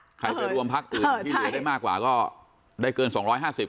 ใช่ปร่องพอคือว่าพักอื่นที่เหลือได้มากกว่าก็ใกล้เกินสองร้อยห้าสิบ